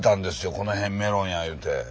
この辺メロンやいうて。